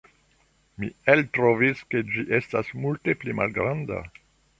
Mi eltrovis, ke ĝi estas multe pli malgranda.